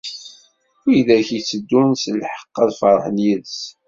Wid akk itteddun s lḥeqq, ad ferḥen yis-s.